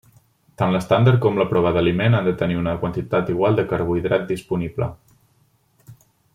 Tant l'estàndard com la prova d'aliment han de tenir una quantitat igual de carbohidrat disponible.